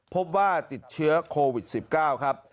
พบว่าติดเชื้อโควิด๑๙ครับ